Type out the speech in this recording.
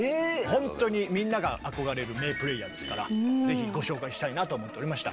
本当にみんなが憧れる名プレイヤーですからぜひご紹介したいなと思っておりました。